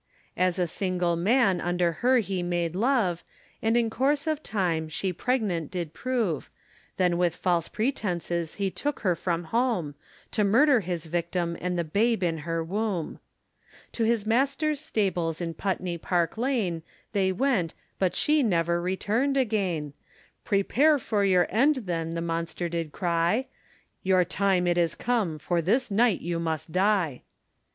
As a single man under her he made love, And in course of time she pregnant did prove, Then with false pretences he took her from home, To murder his victim and the babe in her womb. To his master's stables in Putney Park Lane, They went, but she never returned again, Prepare for your end then the monster did cry, You time it is come for this night you must die.